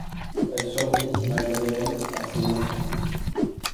Elle survit malgré elle à ses enfants.